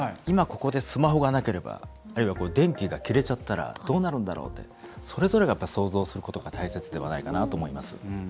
今、ここでスマホがなければあるいは電気が切れちゃったらどうなるんだろう？ってそれぞれが想像することが大切ではないかなと思います。